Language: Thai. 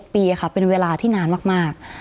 ปีค่ะเป็นเวลาที่นานมาก